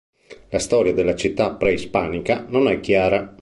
La storia della città pre-ispanica non è chiara.